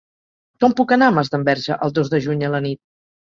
Com puc anar a Masdenverge el dos de juny a la nit?